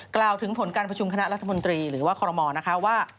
กล่าวถึงผลการประชุมคณะรัฐมนตรีหรือว่าคอรมอลนะคะว่า